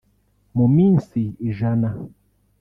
mu minsi ijana